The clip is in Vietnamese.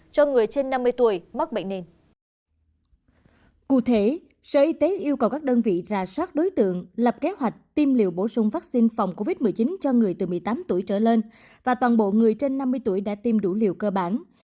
cụ thể sở y tế yêu cầu các đơn vị ra soát đối tượng lập kế hoạch tiêm liều bổ sung vaccine phòng covid một mươi chín cho người từ một mươi tám tuổi trở lên và toàn bộ người trên năm mươi tuổi đã tiêm đủ liều cơ bản